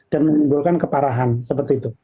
dan menimbulkan keparahan seperti itu